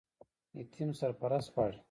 یتیم سرپرست غواړي